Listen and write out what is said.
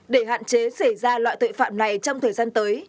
để hạn chế xảy ra loại tội phạm này trong thời gian tới